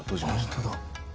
本当だ。